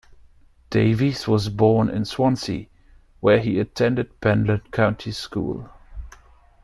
Davies was born in Swansea, where he attended Penlan County School.